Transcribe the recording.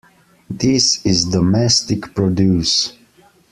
This is domestic produce.